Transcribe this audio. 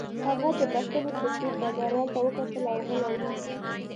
هغه د بښنې په دود ډګروال ته وکتل او غلی و